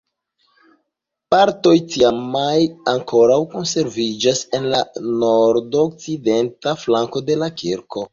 Partoj tiamaj ankoraŭ konserviĝas en la nordokcidenta flanko de la kirko.